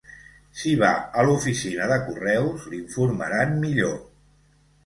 Si va a l'oficina de correus l'informaran millor.